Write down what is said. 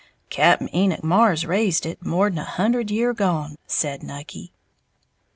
"Cap'n Enoch Marrs raised it, more'n a hundred year' gone," said Nucky.